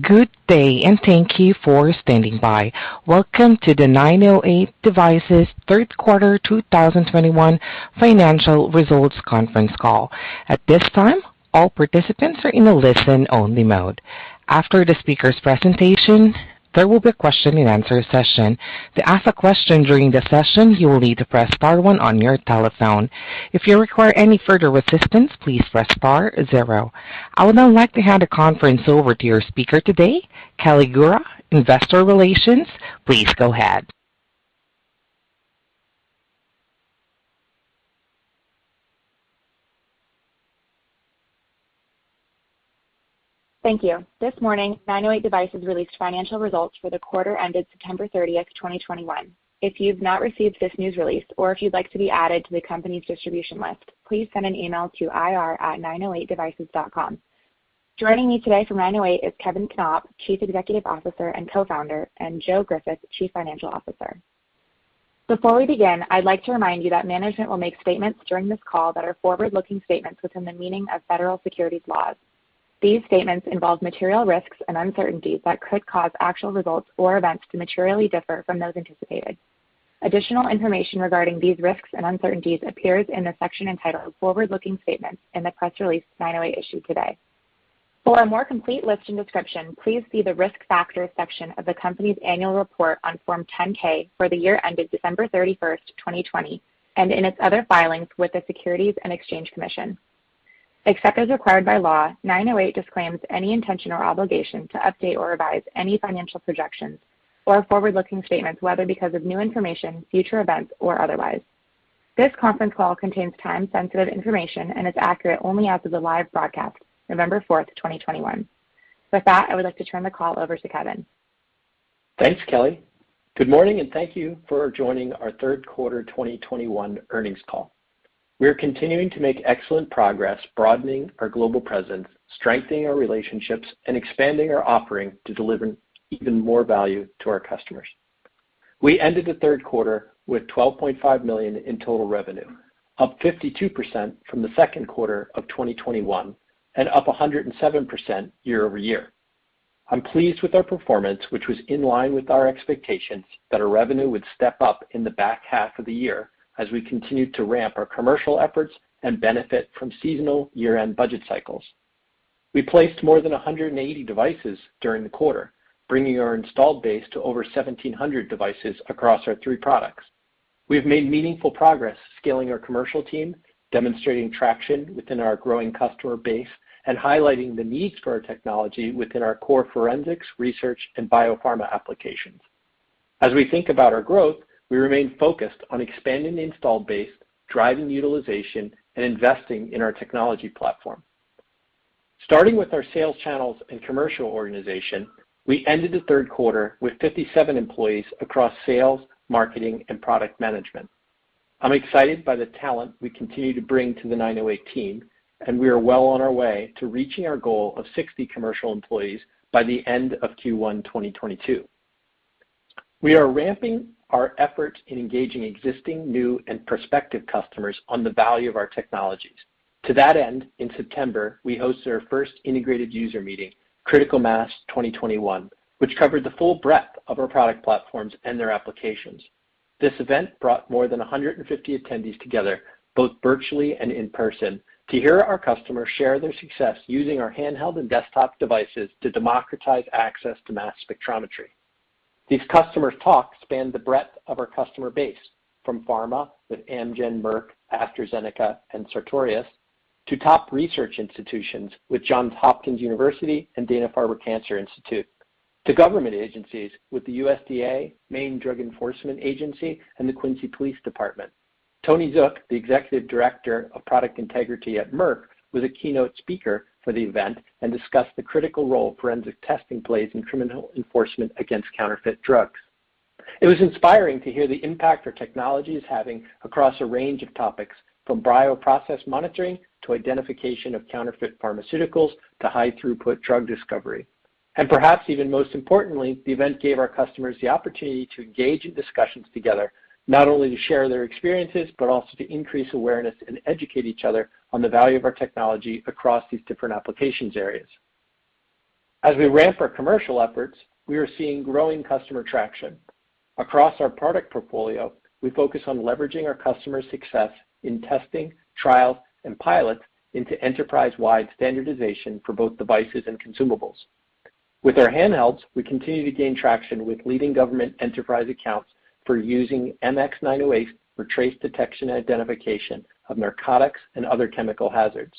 Good day, and thank you for standing by. Welcome to the 908 Devices third quarter 2021 financial results conference call. At this time, all participants are in a listen-only mode. After the speaker's presentation, there will be a question and answer session. To ask a question during the session, you will need to press star one on your telephone. If you require any further assistance, please press star zero. I would now like to hand the conference over to your speaker today, Kelly Gura, Investor Relations. Please go ahead. Thank you. This morning, 908 Devices released financial results for the quarter ended September 30, 2021. If you've not received this news release or if you'd like to be added to the company's distribution list, please send an email to ir@908devices.com. Joining me today from 908 is Kevin Knopp, Chief Executive Officer and Co-Founder, and Joe Griffith, Chief Financial Officer. Before we begin, I'd like to remind you that management will make statements during this call that are forward-looking statements within the meaning of federal securities laws. These statements involve material risks and uncertainties that could cause actual results or events to materially differ from those anticipated. Additional information regarding these risks and uncertainties appears in the section entitled Forward-Looking Statements in the press release 908 issued today. For a more complete list and description, please see the Risk Factors section of the company's annual report on Form 10-K for the year ended December 31, 2020, and in its other filings with the Securities and Exchange Commission. Except as required by law, 908 disclaims any intention or obligation to update or revise any financial projections or forward-looking statements, whether because of new information, future events or otherwise. This conference call contains time-sensitive information and is accurate only as of the live broadcast, November 4, 2021. With that, I would like to turn the call over to Kevin. Thanks, Kelly. Good morning, and thank you for joining our third quarter 2021 earnings call. We are continuing to make excellent progress broadening our global presence, strengthening our relationships, and expanding our offering to deliver even more value to our customers. We ended the third quarter with $12.5 million in total revenue, up 52% from the second quarter of 2021 and up 107% year-over-year. I'm pleased with our performance, which was in line with our expectations that our revenue would step up in the back half of the year as we continued to ramp our commercial efforts and benefit from seasonal year-end budget cycles. We placed more than 180 devices during the quarter, bringing our installed base to over 1,700 devices across our three products. We have made meaningful progress scaling our commercial team, demonstrating traction within our growing customer base, and highlighting the need for our technology within our core forensics, research, and biopharma applications. As we think about our growth, we remain focused on expanding the installed base, driving utilization, and investing in our technology platform. Starting with our sales channels and commercial organization, we ended the third quarter with 57 employees across sales, marketing, and product management. I'm excited by the talent we continue to bring to the 908 team, and we are well on our way to reaching our goal of 60 commercial employees by the end of Q1 2022. We are ramping our efforts in engaging existing, new, and prospective customers on the value of our technologies. To that end, in September, we hosted our first integrated user meeting, Critical Mass 2021, which covered the full breadth of our product platforms and their applications. This event brought more than 150 attendees together, both virtually and in person, to hear our customers share their success using our handheld and desktop devices to democratize access to mass spectrometry. These customers' talks spanned the breadth of our customer base from pharma with Amgen, Merck, AstraZeneca, and Sartorius, to top research institutions with Johns Hopkins University and Dana-Farber Cancer Institute, to government agencies with the USDA, Maine Drug Enforcement Agency, and the Quincy Police Department. Tony Zook, the Executive Director of Product Integrity at Merck, was a keynote speaker for the event and discussed the critical role forensic testing plays in criminal enforcement against counterfeit drugs. It was inspiring to hear the impact our technology is having across a range of topics, from bioprocess monitoring to identification of counterfeit pharmaceuticals to high-throughput drug discovery. Perhaps even most importantly, the event gave our customers the opportunity to engage in discussions together, not only to share their experiences, but also to increase awareness and educate each other on the value of our technology across these different applications areas. As we ramp our commercial efforts, we are seeing growing customer traction. Across our product portfolio, we focus on leveraging our customers' success in testing, trial, and pilot into enterprise-wide standardization for both devices and consumables. With our handhelds, we continue to gain traction with leading government enterprise accounts for using MX908 for trace detection and identification of narcotics and other chemical hazards.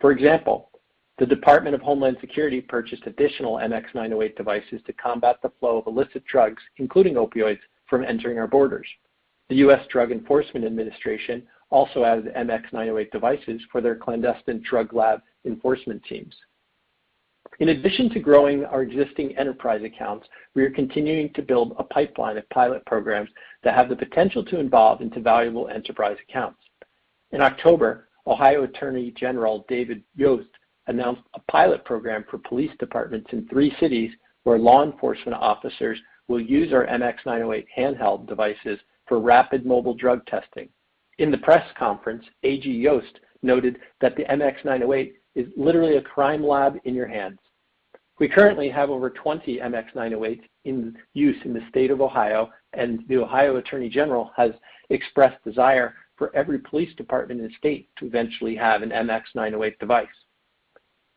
For example, the Department of Homeland Security purchased additional MX908 devices to combat the flow of illicit drugs, including opioids, from entering our borders. The U.S. Drug Enforcement Administration also added MX908 devices for their clandestine drug lab enforcement teams. In addition to growing our existing enterprise accounts, we are continuing to build a pipeline of pilot programs that have the potential to evolve into valuable enterprise accounts. In October, Ohio Attorney General David Yost announced a pilot program for police departments in three cities where law enforcement officers will use our MX908 handheld devices for rapid mobile drug testing. In the press conference, AG Yost noted that the MX908 is literally a crime lab in your hands. We currently have over 20 MX908s in use in the state of Ohio, and the Ohio Attorney General has expressed desire for every police department in the state to eventually have an MX908 device.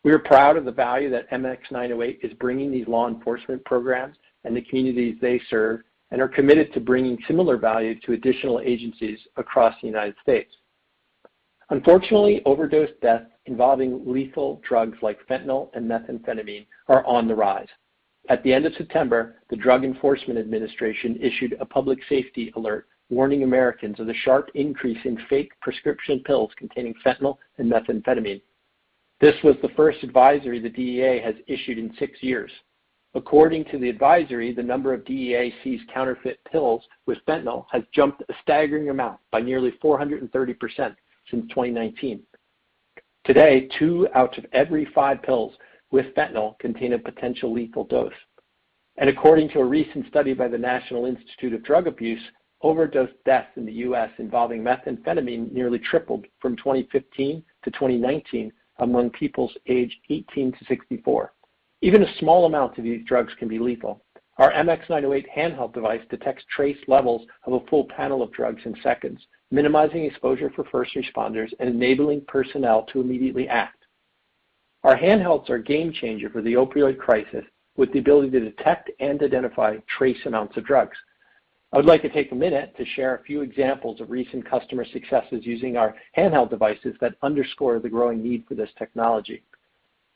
We are proud of the value that MX908 is bringing these law enforcement programs and the communities they serve, and are committed to bringing similar value to additional agencies across the United States. Unfortunately, overdose deaths involving lethal drugs like fentanyl and methamphetamine are on the rise. At the end of September, the Drug Enforcement Administration issued a public safety alert warning Americans of the sharp increase in fake prescription pills containing fentanyl and methamphetamine. This was the first advisory the DEA has issued in six years. According to the advisory, the number of DEA seized counterfeit pills with fentanyl has jumped a staggering amount by nearly 430% since 2019. Today, two out of every five pills with fentanyl contain a potential lethal dose. According to a recent study by the National Institute on Drug Abuse, overdose deaths in the U.S. involving methamphetamine nearly tripled from 2015 to 2019 among peoples aged 18 to 64. Even a small amount of these drugs can be lethal. Our MX908 handheld device detects trace levels of a full panel of drugs in seconds, minimizing exposure for first responders and enabling personnel to immediately act. Our handhelds are a game changer for the opioid crisis, with the ability to detect and identify trace amounts of drugs. I would like to take a minute to share a few examples of recent customer successes using our handheld devices that underscore the growing need for this technology.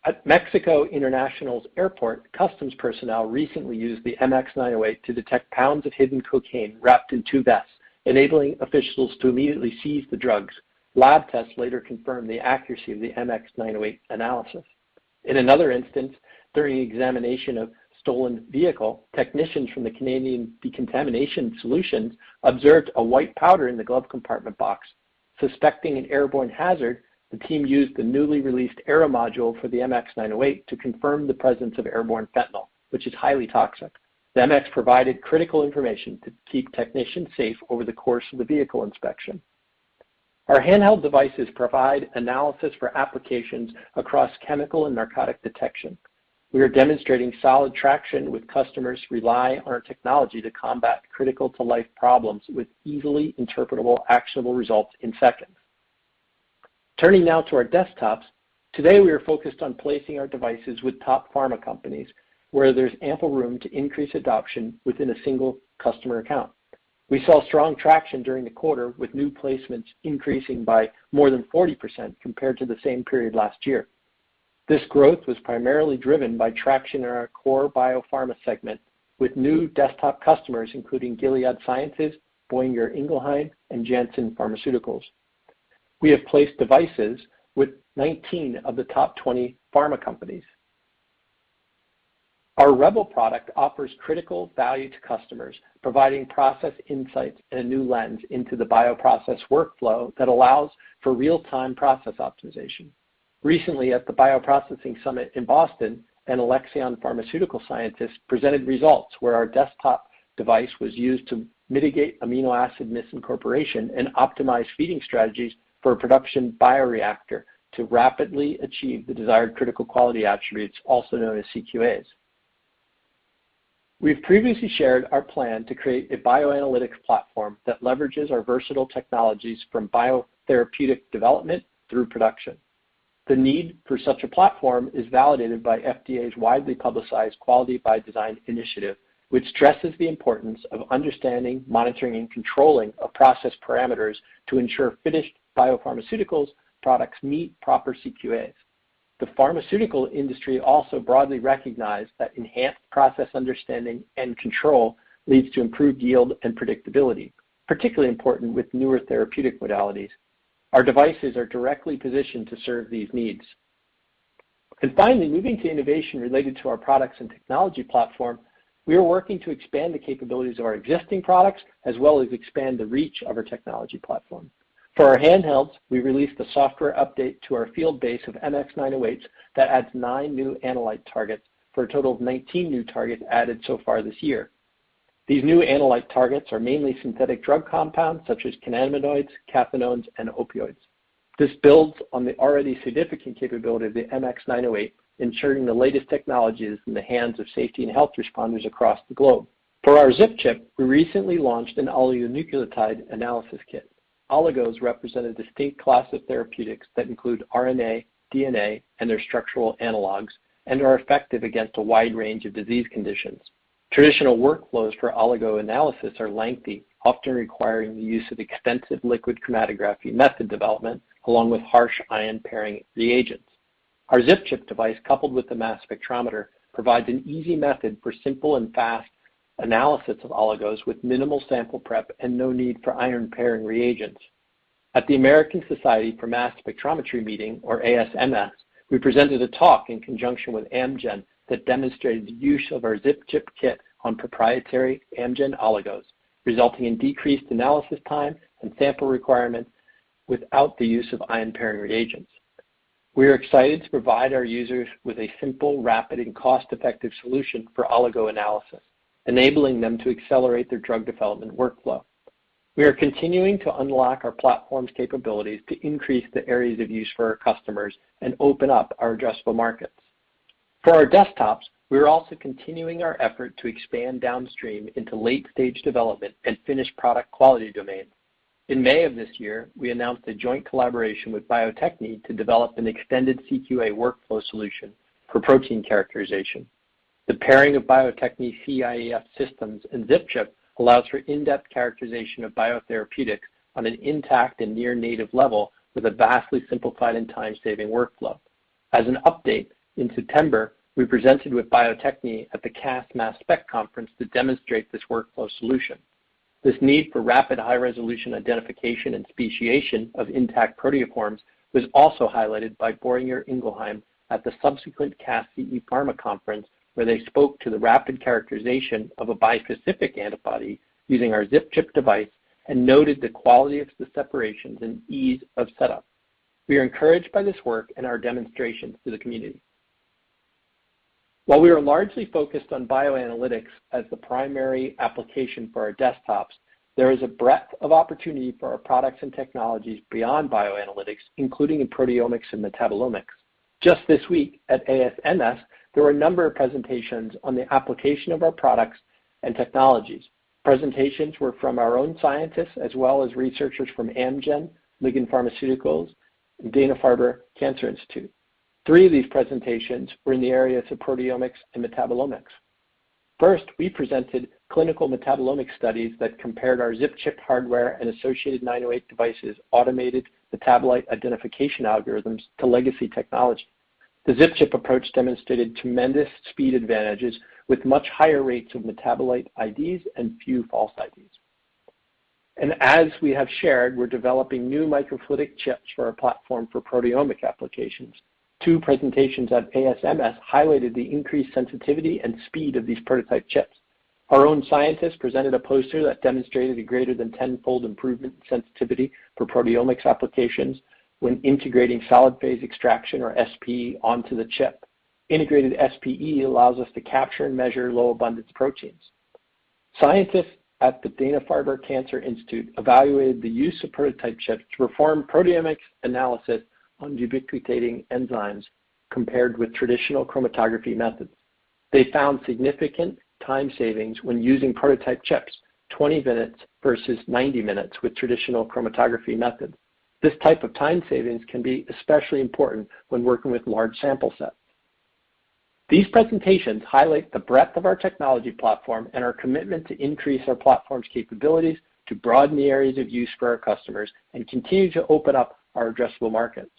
At Mexico City International Airport, customs personnel recently used the MX908 to detect pounds of hidden cocaine wrapped in two vests, enabling officials to immediately seize the drugs. Lab tests later confirmed the accuracy of the MX908 analysis. In another instance, during the examination of stolen vehicle, technicians from the Canadian Decon Solutions observed a white powder in the glove compartment box. Suspecting an airborne hazard, the team used the newly released Aero module for the MX908 to confirm the presence of airborne fentanyl, which is highly toxic. The MX provided critical information to keep technicians safe over the course of the vehicle inspection. Our handheld devices provide analysis for applications across chemical and narcotic detection. We are demonstrating solid traction with customers who rely on our technology to combat critical to life problems with easily interpretable, actionable results in seconds. Turning now to our desktops. Today, we are focused on placing our devices with top pharma companies where there's ample room to increase adoption within a single customer account. We saw strong traction during the quarter with new placements increasing by more than 40% compared to the same period last year. This growth was primarily driven by traction in our core biopharma segment with new desktop customers, including Gilead Sciences, Boehringer Ingelheim, and Janssen Pharmaceuticals. We have placed devices with 19 of the top 20 pharma companies. Our REBEL product offers critical value to customers, providing process insights and a new lens into the bioprocess workflow that allows for real-time process optimization. Recently, at the Bioprocessing Summit in Boston, an Alexion pharmaceutical scientist presented results where our desktop device was used to mitigate amino acid misincorporation and optimize feeding strategies for a production bioreactor to rapidly achieve the desired critical quality attributes, also known as CQAs. We've previously shared our plan to create a bioanalytics platform that leverages our versatile technologies from biotherapeutic development through production. The need for such a platform is validated by FDA's widely publicized Quality by Design initiative, which stresses the importance of understanding, monitoring, and controlling of process parameters to ensure finished biopharmaceutical products meet proper CQAs. The pharmaceutical industry also broadly recognized that enhanced process understanding and control leads to improved yield and predictability, particularly important with newer therapeutic modalities. Our devices are directly positioned to serve these needs. Finally, moving to innovation related to our products and technology platform, we are working to expand the capabilities of our existing products, as well as expand the reach of our technology platform. For our handhelds, we released a software update to our field base of MX908s that adds nine new analyte targets for a total of 19 new targets added so far this year. These new analyte targets are mainly synthetic drug compounds such as cannabinoids, cathinones, and opioids. This builds on the already significant capability of the MX908, ensuring the latest technologies in the hands of safety and health responders across the globe. For our ZipChip, we recently launched an oligonucleotide analysis kit. Oligos represent a distinct class of therapeutics that include RNA, DNA, and their structural analogs, and are effective against a wide range of disease conditions. Traditional workflows for oligo analysis are lengthy, often requiring the use of extensive liquid chromatography method development along with harsh ion pairing reagents. Our ZipChip device, coupled with the mass spectrometer, provides an easy method for simple and fast analysis of oligos with minimal sample prep and no need for ion pairing reagents. At the American Society for Mass Spectrometry meeting, or ASMS, we presented a talk in conjunction with Amgen that demonstrated the use of our ZipChip kit on proprietary Amgen oligos, resulting in decreased analysis time and sample requirements without the use of ion pairing reagents. We are excited to provide our users with a simple, rapid, and cost-effective solution for oligo analysis, enabling them to accelerate their drug development workflow. We are continuing to unlock our platform's capabilities to increase the areas of use for our customers and open up our addressable markets. For our desktops, we are also continuing our effort to expand downstream into late-stage development and finished product quality domain. In May of this year, we announced a joint collaboration with Bio-Techne to develop an extended CQA workflow solution for protein characterization. The pairing of Bio-Techne's cIEF systems and ZipChip allows for in-depth characterization of biotherapeutics on an intact and near native level with a vastly simplified and time-saving workflow. As an update, in September, we presented with Bio-Techne at the CASSS Mass Spec conference to demonstrate this workflow solution. This need for rapid high-resolution identification and speciation of intact proteoforms was also highlighted by Boehringer Ingelheim at the subsequent CASSS CE Pharm conference, where they spoke to the rapid characterization of a bispecific antibody using our ZipChip device and noted the quality of the separations and ease of setup. We are encouraged by this work and our demonstrations to the community. While we are largely focused on bioanalytics as the primary application for our desktops, there is a breadth of opportunity for our products and technologies beyond bioanalytics, including in proteomics and metabolomics. Just this week at ASMS, there were a number of presentations on the application of our products and technologies. Presentations were from our own scientists, as well as researchers from Amgen, Ligand Pharmaceuticals, and Dana-Farber Cancer Institute. Three of these presentations were in the areas of proteomics and metabolomics. First, we presented clinical metabolomics studies that compared our ZipChip hardware and associated 908 Devices' automated metabolite identification algorithms to legacy technology. The ZipChip approach demonstrated tremendous speed advantages with much higher rates of metabolite IDs and few false IDs. As we have shared, we're developing new microfluidic chips for our platform for proteomic applications. Two presentations at ASMS highlighted the increased sensitivity and speed of these prototype chips. Our own scientists presented a poster that demonstrated a greater than tenfold improvement in sensitivity for proteomics applications when integrating solid phase extraction, or SPE, onto the chip. Integrated SPE allows us to capture and measure low abundance proteins. Scientists at the Dana-Farber Cancer Institute evaluated the use of prototype chips to perform proteomics analysis on ubiquitinating enzymes compared with traditional chromatography methods. They found significant time savings when using prototype chips, 20 minutes versus 90 minutes with traditional chromatography methods. This type of time savings can be especially important when working with large sample sets. These presentations highlight the breadth of our technology platform and our commitment to increase our platform's capabilities to broaden the areas of use for our customers and continue to open up our addressable markets.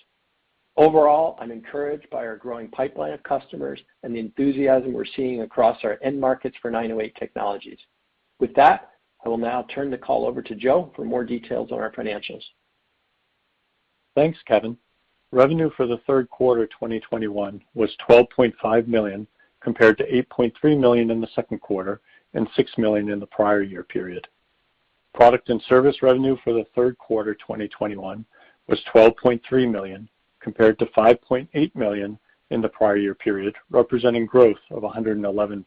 Overall, I'm encouraged by our growing pipeline of customers and the enthusiasm we're seeing across our end markets for 908 technologies. With that, I will now turn the call over to Joe for more details on our financials. Thanks, Kevin. Revenue for the third quarter 2021 was $12.5 million, compared to $8.3 million in the second quarter and $6 million in the prior year period. Product and service revenue for the third quarter 2021 was $12.3 million, compared to $5.8 million in the prior year period, representing growth of 111%.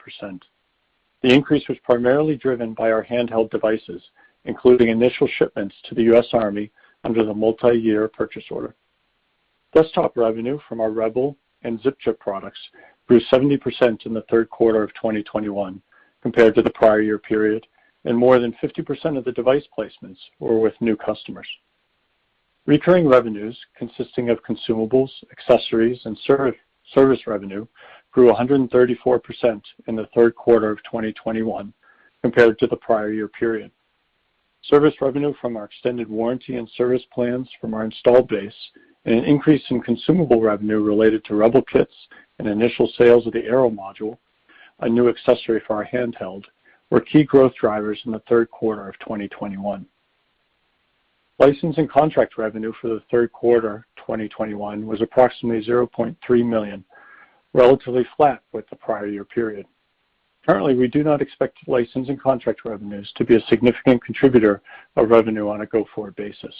The increase was primarily driven by our handheld devices, including initial shipments to the U.S. Army under the multiyear purchase order. Desktop revenue from our REBEL and ZipChip products grew 70% in the third quarter of 2021 compared to the prior year period, and more than 50% of the device placements were with new customers. Recurring revenues consisting of consumables, accessories, and service revenue grew 134% in the third quarter of 2021 compared to the prior year period. Service revenue from our extended warranty and service plans from our installed base and an increase in consumable revenue related to REBEL kits and initial sales of the Aero module, a new accessory for our handheld, were key growth drivers in the third quarter of 2021. Licensing contract revenue for the third quarter 2021 was approximately $0.3 million, relatively flat with the prior year period. Currently, we do not expect licensing contract revenues to be a significant contributor of revenue on a go-forward basis.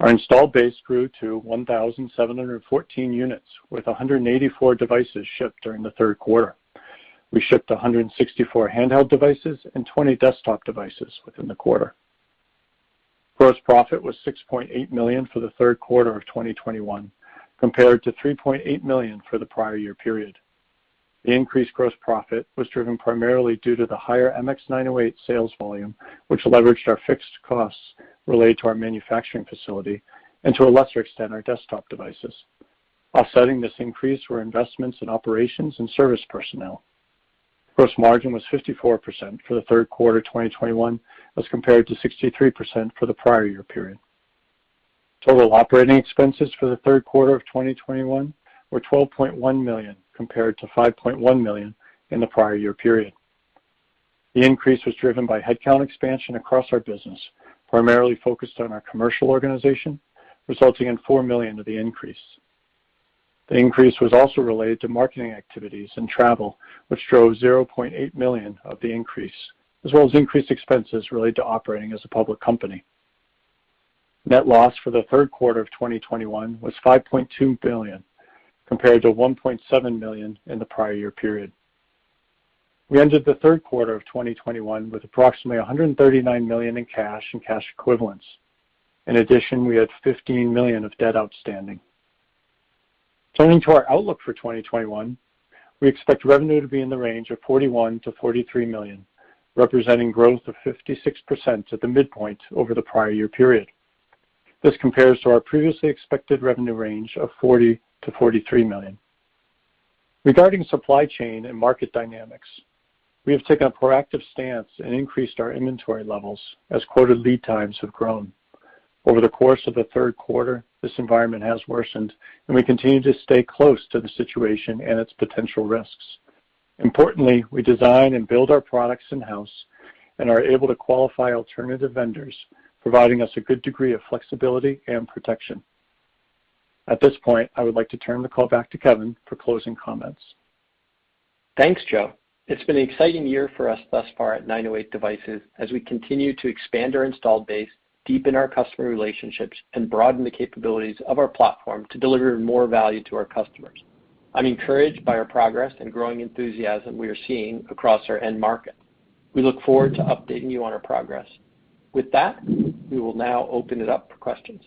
Our installed base grew to 1,714 units, with 184 devices shipped during the third quarter. We shipped 164 handheld devices and 20 desktop devices within the quarter. Gross profit was $6.8 million for the third quarter of 2021, compared to $3.8 million for the prior year period. The increased gross profit was driven primarily due to the higher MX908 sales volume, which leveraged our fixed costs related to our manufacturing facility, and to a lesser extent, our desktop devices. Offsetting this increase were investments in operations and service personnel. Gross margin was 54% for the third quarter 2021 as compared to 63% for the prior year period. Total operating expenses for the third quarter of 2021 were $12.1 million, compared to $5.1 million in the prior year period. The increase was driven by headcount expansion across our business, primarily focused on our commercial organization, resulting in $4 million of the increase. The increase was also related to marketing activities and travel, which drove $0.8 million of the increase, as well as increased expenses related to operating as a public company. Net loss for the third quarter of 2021 was $5.2 million compared to $1.7 million in the prior year period. We ended the third quarter of 2021 with approximately $139 million in cash and cash equivalents. In addition, we had $15 million of debt outstanding. Turning to our outlook for 2021, we expect revenue to be in the range of $41 million-$43 million, representing growth of 56% at the midpoint over the prior year period. This compares to our previously expected revenue range of $40 million-$43 million. Regarding supply chain and market dynamics, we have taken a proactive stance and increased our inventory levels as quoted lead times have grown. Over the course of the third quarter, this environment has worsened, and we continue to stay close to the situation and its potential risks. Importantly, we design and build our products in-house and are able to qualify alternative vendors, providing us a good degree of flexibility and protection. At this point, I would like to turn the call back to Kevin for closing comments. Thanks, Joe. It's been an exciting year for us thus far at 908 Devices as we continue to expand our installed base, deepen our customer relationships, and broaden the capabilities of our platform to deliver more value to our customers. I'm encouraged by our progress and growing enthusiasm we are seeing across our end market. We look forward to updating you on our progress. With that, we will now open it up for questions.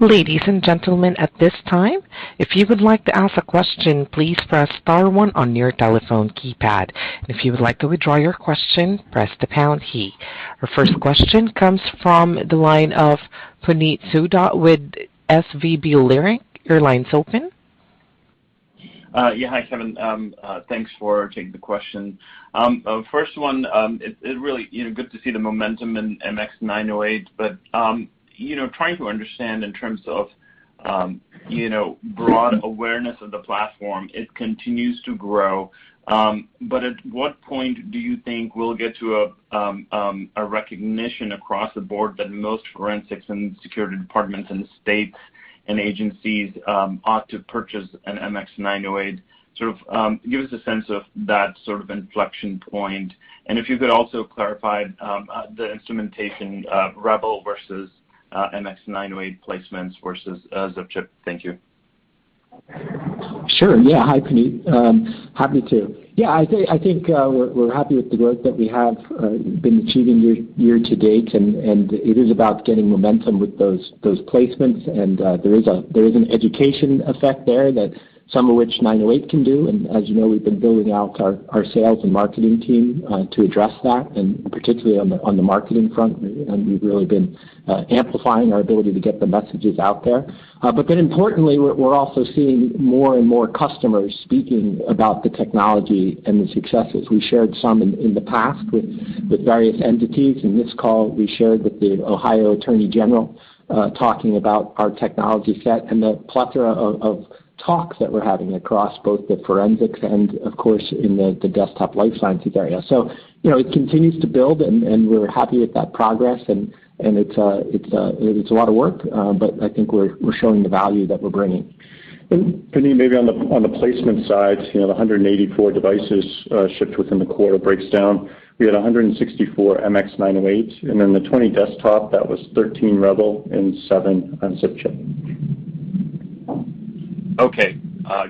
Ladies and gentlemen, at this time, if you would like to ask a question, please press star one on your telephone keypad. If you would like to withdraw your question, press the pound key. Our first question comes from the line of Puneet Souda with SVB Leerink. Your line's open. Yeah. Hi, Kevin. Thanks for taking the question. First one, it really, you know, good to see the momentum in MX908, but, you know, trying to understand in terms of, you know, broad awareness of the platform, it continues to grow. But at what point do you think we'll get to a recognition across the board that most forensics and security departments and states and agencies ought to purchase an MX908? Sort of, give us a sense of that sort of inflection point, and if you could also clarify the instrumentation, REBEL versus MX908 placements versus ZipChip. Thank you. Sure. Yeah. Hi, Puneet. Happy to. Yeah, I think we're happy with the growth that we have been achieving year to date, and it is about getting momentum with those placements. There is an education effect there that some of which 908 can do. As you know, we've been building out our sales and marketing team to address that, and particularly on the marketing front, and we've really been amplifying our ability to get the messages out there. Importantly, we're also seeing more and more customers speaking about the technology and the successes. We shared some in the past with various entities. In this call, we shared with the Ohio Attorney General talking about our technology set and the plethora of talks that we're having across both the forensics and of course in the desktop life sciences area. You know, it continues to build and we're happy with that progress and it's a lot of work, but I think we're showing the value that we're bringing. Puneet, maybe on the placement side, you know, the 184 devices shipped within the quarter breaks down. We had a 164 MX908, and then the 20 desktop, that was 13 REBEL and seven ZipChip. Okay.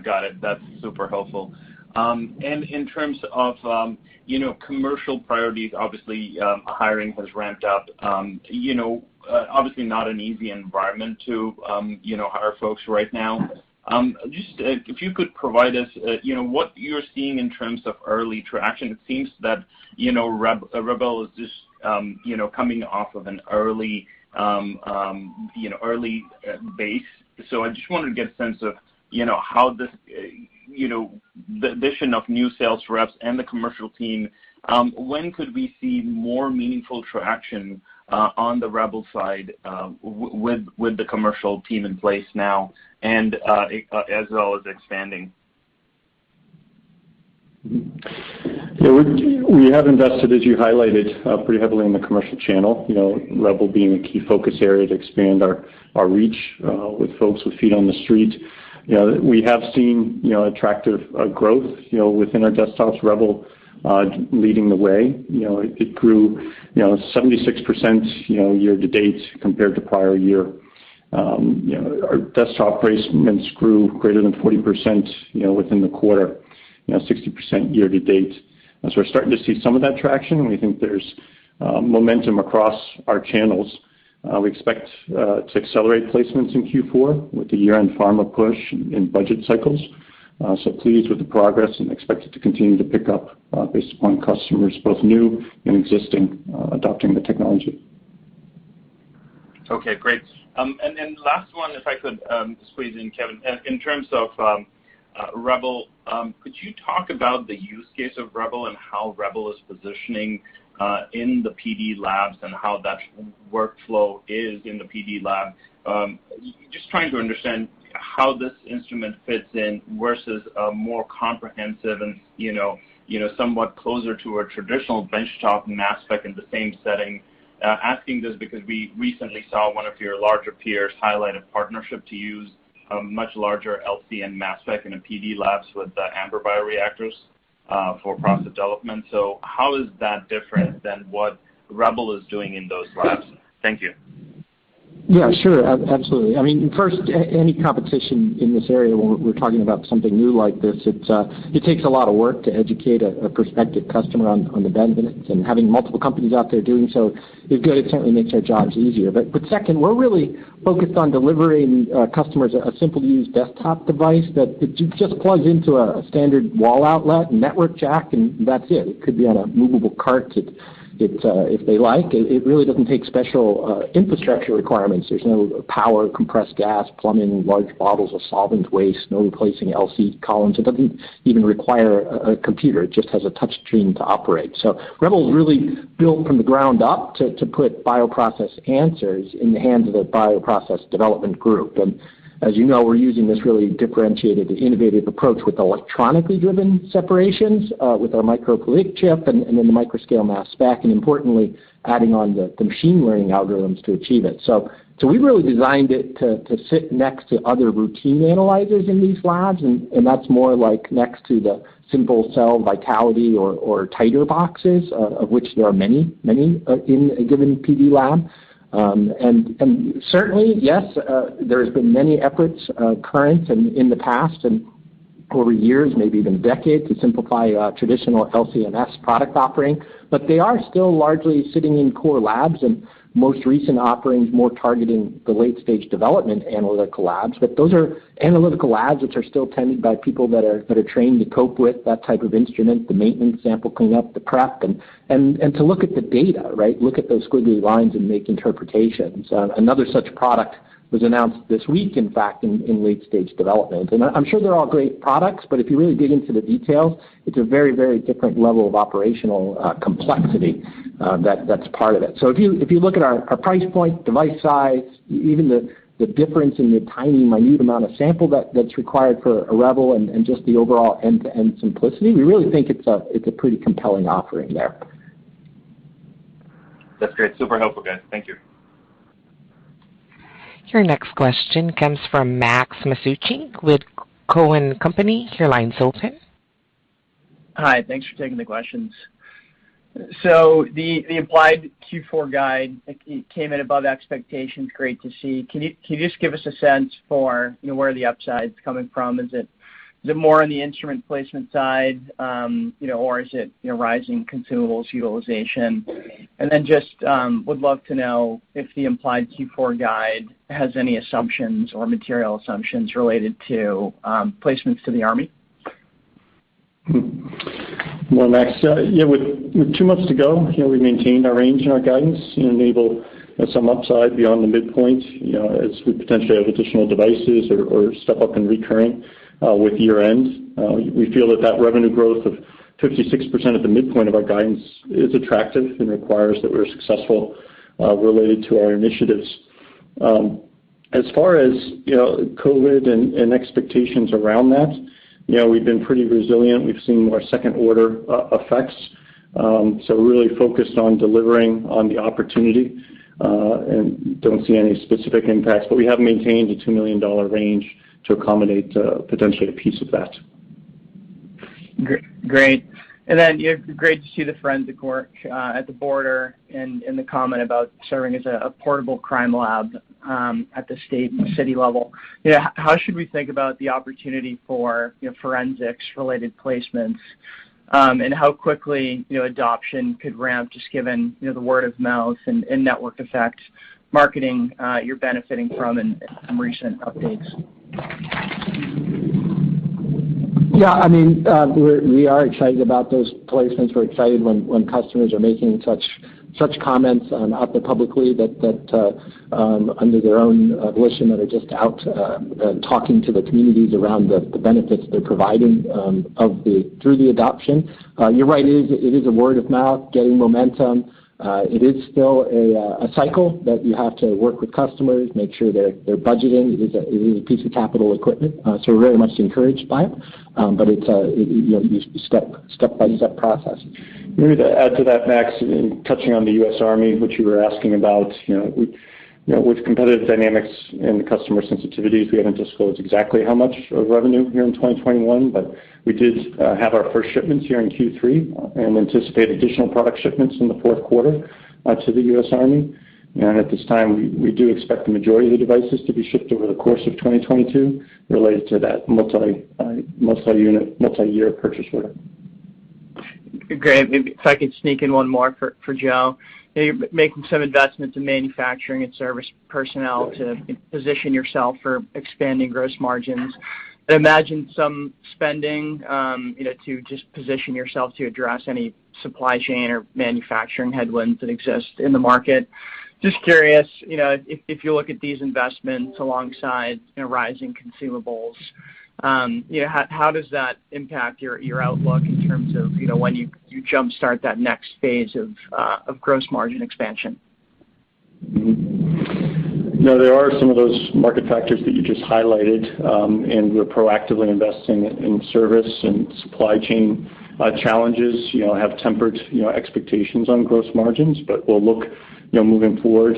Got it. That's super helpful. And in terms of, you know, commercial priorities, obviously, hiring has ramped up. You know, obviously not an easy environment to, you know, hire folks right now. Just, if you could provide us, you know, what you're seeing in terms of early traction. It seems that, you know, REBEL is just, you know, coming off of an early base. I just wanted to get a sense of, you know, how this, you know, the addition of new sales reps and the commercial team, when could we see more meaningful traction on the REBEL side with the commercial team in place now and as well as expanding? Yeah. We have invested, as you highlighted, pretty heavily in the commercial channel, you know, REBEL being a key focus area to expand our reach with folks with feet on the street. You know, we have seen attractive growth within our desktops, REBEL leading the way. You know, it grew 76% year to date compared to prior year. You know, our desktop placements grew greater than 40% within the quarter, 60% year to date. As we're starting to see some of that traction, we think there's momentum across our channels. We expect to accelerate placements in Q4 with the year-end pharma push in budget cycles. Pleased with the progress and expect it to continue to pick up, based upon customers both new and existing adopting the technology. Okay, great. Last one, if I could squeeze in, Kevin. In terms of REBEL, could you talk about the use case of REBEL and how REBEL is positioning in the PD labs and how that workflow is in the PD lab? Just trying to understand how this instrument fits in versus a more comprehensive and, you know, somewhat closer to a traditional benchtop mass spec in the same setting. Asking this because we recently saw one of your larger peers highlight a partnership to use a much larger LC and mass spec in a PD labs with Ambr bioreactors for process development. How is that different than what REBEL is doing in those labs? Thank you. Yeah, sure. Absolutely. I mean, first, any competition in this area, when we're talking about something new like this, it takes a lot of work to educate a prospective customer on the benefits. Having multiple companies out there doing so is good. It certainly makes our jobs easier. Second, we're really focused on delivering customers a simple to use desktop device that just plugs into a standard wall outlet, network jack, and that's it. It could be on a movable cart. If they like, it really doesn't take special infrastructure requirements. There's no power, compressed gas, plumbing, large bottles of solvent waste, no replacing LC columns. It doesn't even require a computer. It just has a touch screen to operate. REBEL is really built from the ground up to put bioprocess answers in the hands of the bioprocess development group. As you know, we're using this really differentiated, innovative approach with electronically driven separations with our microchip and then the micro-scale mass spec, and importantly, adding on the machine learning algorithms to achieve it. We really designed it to sit next to other routine analyzers in these labs. That's more like next to the simple cell vitality or tighter boxes of which there are many in a given PD lab. Certainly, yes, there has been many efforts current and in the past and over years, maybe even decades, to simplify traditional LCMS product offering. They are still largely sitting in core labs, and most recent offerings more targeting the late stage development analytical labs. Those are analytical labs which are still tended by people that are trained to cope with that type of instrument, the maintenance sample cleanup, the prep, and to look at the data, right? Look at those squiggly lines and make interpretations. Another such product was announced this week, in fact, in late stage development. I'm sure they're all great products, but if you really dig into the details, it's a very, very different level of operational complexity that's part of it. If you look at our price point, device size, even the difference in the tiny minute amount of sample that's required for a REBEL and just the overall end-to-end simplicity, we really think it's a pretty compelling offering there. That's great. Super helpful, guys. Thank you. Your next question comes from Max Masucci with Cowen and Company. Your line's open. Hi. Thanks for taking the questions. The implied Q4 guide came in above expectations. Great to see. Can you just give us a sense for where the upside's coming from? Is it more on the instrument placement side, or is it rising consumables utilization? Would love to know if the implied Q4 guide has any assumptions or material assumptions related to placements to the Army. Well, Max, yeah, with two months to go, you know, we maintained our range and our guidance, you know, enabling, you know, some upside beyond the midpoint, you know, as we potentially have additional devices or step up in recurring with year-end. We feel that revenue growth of 56% at the midpoint of our guidance is attractive and requires that we're successful related to our initiatives. As far as you know, COVID and expectations around that, you know, we've been pretty resilient. We've seen more second-order effects. We're really focused on delivering on the opportunity and don't see any specific impacts. We have maintained a $2 million range to accommodate potentially a piece of that. Great. Great to see the forensic work at the border and the comment about serving as a portable crime lab at the state and city level. You know, how should we think about the opportunity for, you know, forensics related placements, and how quickly, you know, adoption could ramp just given, you know, the word of mouth and network effect marketing, you're benefiting from in some recent updates? Yeah. I mean, we are excited about those placements. We're excited when customers are making such comments out there publicly that under their own volition that are just out talking to the communities around the benefits they're providing through the adoption. You're right. It is a word of mouth getting momentum. It is still a cycle that you have to work with customers, make sure they're budgeting. It is a piece of capital equipment. So we're very much encouraged by it. But it's a, you know, step-by-step process. Maybe to add to that, Max, touching on the U.S. Army, which you were asking about. You know, we, you know, with competitive dynamics and customer sensitivities, we haven't disclosed exactly how much of revenue here in 2021, but we did have our first shipments here in Q3 and anticipate additional product shipments in the fourth quarter to the U.S. Army. At this time, we do expect the majority of the devices to be shipped over the course of 2022 related to that multi-unit, multi-year purchase order. Great. If I could sneak in one more for Joe. You're making some investments in manufacturing and service personnel to position yourself for expanding gross margins. I imagine some spending to just position yourself to address any supply chain or manufacturing headwinds that exist in the market. Just curious, if you look at these investments alongside rising consumables, how does that impact your outlook in terms of when you jump-start that next phase of gross margin expansion? No, there are some of those market factors that you just highlighted, and we're proactively investing in service and supply chain challenges. You know, challenges have tempered, you know, expectations on gross margins, but we'll look, you know, moving forward,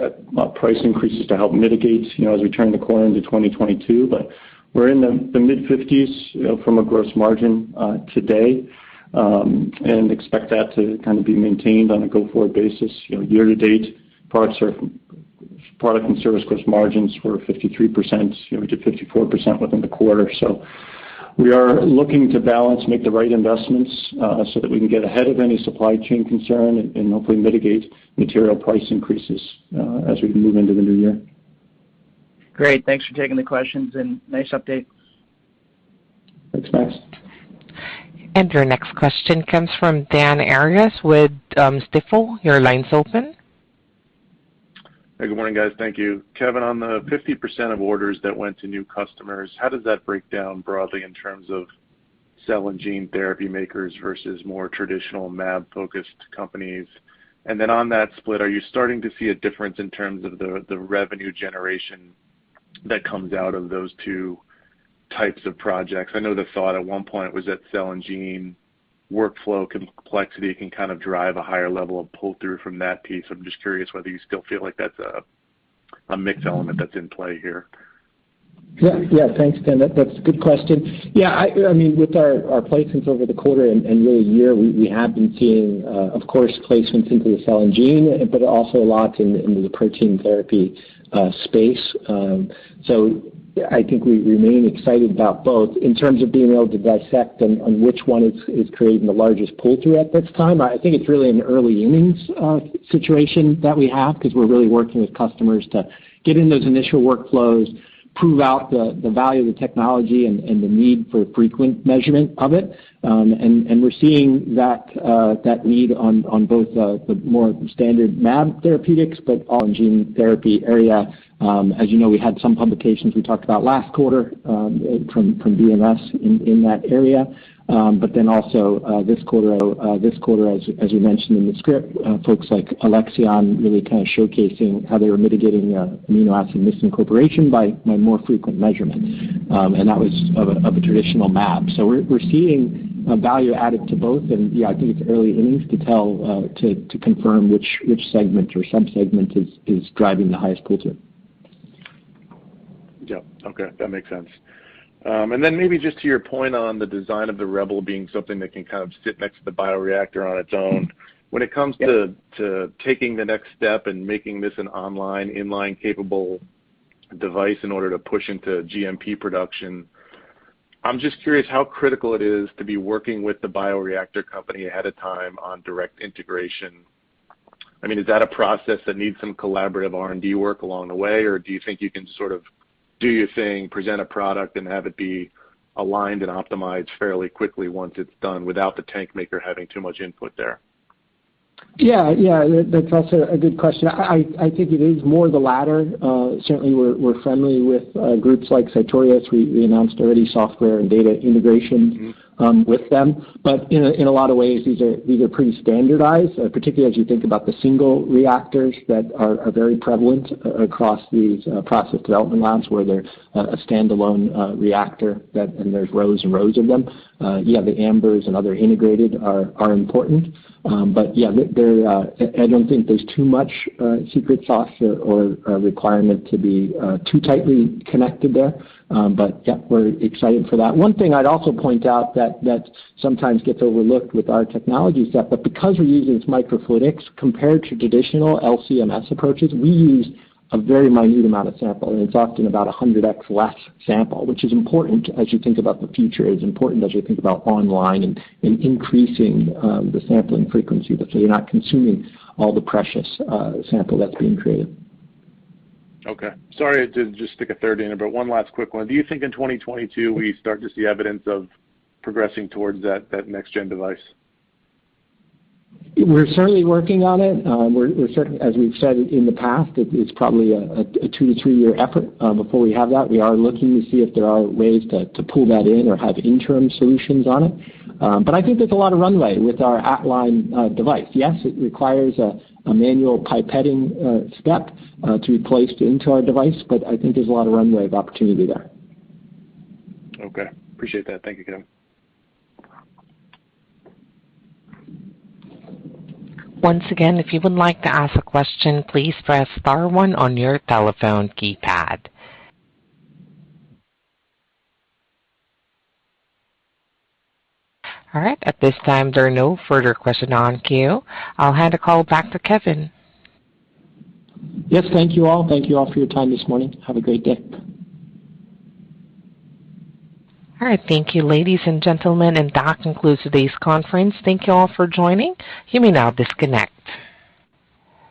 at price increases to help mitigate, you know, as we turn the corner into 2022. But we're in the mid-50s from a gross margin today, and expect that to kind of be maintained on a go-forward basis. You know, year-to-date parts or product and service gross margins were 53%-54% within the quarter. We are looking to balance, make the right investments, so that we can get ahead of any supply chain concern and hopefully mitigate material price increases, as we move into the new year. Great. Thanks for taking the questions, and nice update. Thanks, Max. Your next question comes from Dan Arias with Stifel. Your line's open. Hey, good morning, guys. Thank you. Kevin, on the 50% of orders that went to new customers, how does that break down broadly in terms of cell and gene therapy makers versus more traditional mAb-focused companies? On that split, are you starting to see a difference in terms of the revenue generation that comes out of those two types of projects? I know the thought at one point was that cell and gene workflow complexity can kind of drive a higher level of pull-through from that piece. I'm just curious whether you still feel like that's a mixed element that's in play here. Yeah. Thanks, Dan. That's a good question. Yeah, I mean, with our placements over the quarter and really year, we have been seeing, of course, placements into the cell and gene, but also lots into the protein therapy space. I think we remain excited about both. In terms of being able to dissect on which one is creating the largest pull-through at this time, I think it's really an early innings situation that we have because we're really working with customers to get in those initial workflows, prove out the value of the technology and the need for frequent measurement of it. We're seeing that need on both the more standard mAb therapeutics but on gene therapy area. As you know, we had some publications we talked about last quarter from BMS in that area. This quarter, as you mentioned in the script, folks like Alexion really kind of showcasing how they were mitigating amino acid misincorporation by more frequent measurements. That was of a traditional mAb. We're seeing value added to both. Yeah, I think it's early innings to tell to confirm which segment or subsegment is driving the highest pull-through. Yeah. Okay. That makes sense. Maybe just to your point on the design of the REBEL being something that can kind of sit next to the bioreactor on its own. Yeah. When it comes to taking the next step and making this an online, inline capable device in order to push into GMP production, I'm just curious how critical it is to be working with the bioreactor company ahead of time on direct integration. I mean, is that a process that needs some collaborative R&D work along the way, or do you think you can sort of do your thing, present a product, and have it be aligned and optimized fairly quickly once it's done without the tank maker having too much input there? Yeah. That's also a good question. I think it is more the latter. Certainly we're friendly with groups like Sartorius. We announced already software and data integration with them. In a lot of ways, these are pretty standardized, particularly as you think about the single reactors that are very prevalent across these process development labs where they're a standalone reactor and there's rows and rows of them. Yeah, the Ambrs and other integrated are important. Yeah, there, I don't think there's too much secret sauce or requirement to be too tightly connected there. Yeah, we're excited for that. One thing I'd also point out that sometimes gets overlooked with our technology set, but because we're using this microfluidics compared to traditional LC-MS approaches, we use a very minute amount of sample, and it's often about 100x less sample, which is important as you think about the future. It's important as you think about online and increasing the sampling frequency that you're not consuming all the precious sample that's being created. Okay. Sorry to just stick a third in, but one last quick one. Do you think in 2022 we start to see evidence of progressing towards that next-gen device? We're certainly working on it. We're certain, as we've said in the past, it is probably a two to three-year effort before we have that. We are looking to see if there are ways to pull that in or have interim solutions on it. I think there's a lot of runway with our at-line device. Yes, it requires a manual pipetting step to be placed into our device, but I think there's a lot of runway of opportunity there. Okay. Appreciate that. Thank you, Kevin. Once again, if you would like to ask a question, please press star one on your telephone keypad. All right. At this time, there are no further questions on queue. I'll hand the call back to Kevin. Yes. Thank you all for your time this morning. Have a great day. All right. Thank you, ladies and gentlemen. That concludes today's conference. Thank you all for joining. You may now disconnect.